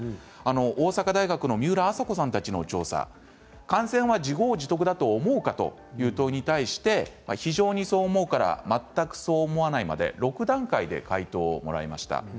大阪大学の三浦麻子さんたちの調査によると感染が自業自得と思うかという問いに対して非常にそう思うから全くそう思わないまで６段階で回答してもらいました。